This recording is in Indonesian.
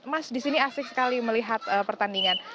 mas di sini asik sekali melihat pertandingan